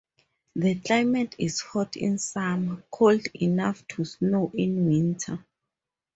The climate is hot in summer, cold enough to snow in winter.